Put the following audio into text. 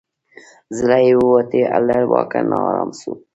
زړه یې ووتی له واکه نا آرام سو